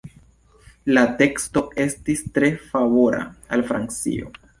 La teksto estis tre favora al Francio.